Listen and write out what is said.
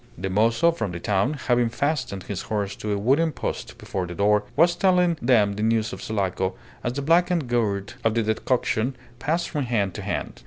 The mozo from the town, having fastened his horse to a wooden post before the door, was telling them the news of Sulaco as the blackened gourd of the decoction passed from hand to hand.